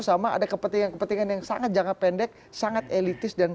sama ada kepentingan yang sangat jangka pendek sangat elitis